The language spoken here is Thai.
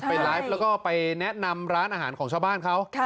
ไปไลฟ์แล้วก็ไปแนะนำร้านอาหารของชาวบ้านเขา